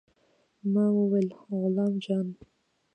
ما وويل غلام جان.